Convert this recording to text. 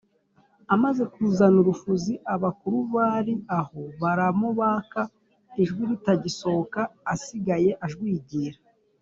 Amaze kuzana urufuzi abakuru bari aho baramubaka ijwi ritagisohoka asigaye ajwigira